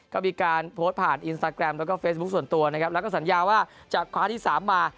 ก็มีการโพสต์ผ่านอินสตาแกรมแล้วก็เฟซบุ๊คส่วนตัวนะครับแล้วก็สัญญาว่าจะคว้าที่สามมา